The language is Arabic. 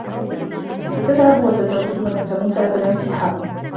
ستذهب و ستعود و لن تموت أبدا في حرب.